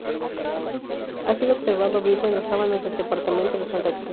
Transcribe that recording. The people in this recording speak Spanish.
Ha sido observado vivo en las sabanas del departamento de Santa Cruz.